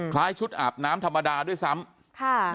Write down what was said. คล้ายชุดอาบน้ำธรรมดาด้วยซ้ำ